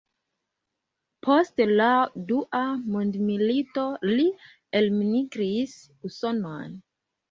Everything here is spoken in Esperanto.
Post la dua mondmilito li elmigris Usonon.